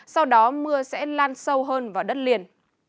sau đó mưa sẽ lan sâu hơn vào đất liền